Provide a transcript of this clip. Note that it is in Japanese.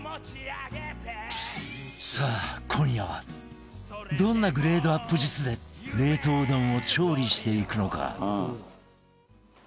さあ今夜はどんなグレードアップ術で冷凍うどんを調理していくのか？